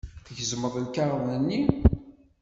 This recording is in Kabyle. Tgezmeḍ lkaɣeḍ-nni?